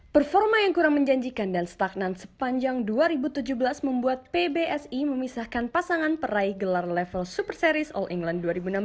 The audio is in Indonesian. performa yang kurang menjanjikan dan stagnan sepanjang dua ribu tujuh belas membuat pbsi memisahkan pasangan peraih gelar level super series all england dua ribu enam belas